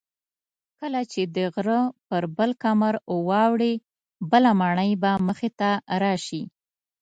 کله چې د غره پر بل کمر واوړې بله ماڼۍ به مخې ته راشي.